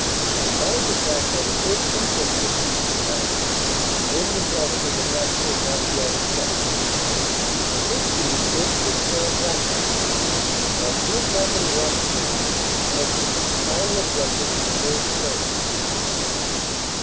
A combined attack by the 13th. and 15th. Bat talions then resulted in the capture of Marquion itself. The 15th. then pushed on rapidly, and by two o clock in the after noon had reached the final objective of the First Phase.